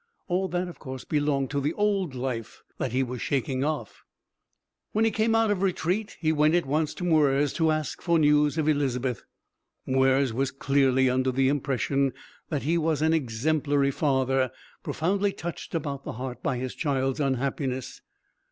All that of course belonged to the old life that he was shaking off. When he came out of retreat he went at once to Mwres to ask for news of Elizabeth. Mwres was clearly under the impression that he was an exemplary father, profoundly touched about the heart by his child's unhappiness.